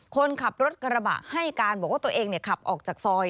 คนขับรถกระบะให้การบอกว่าตัวเองขับออกจากซอย